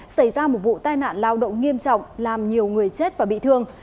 xảy ra một vụ tai nạn lao động nghiêm trọng làm nhiều người chết và bị thương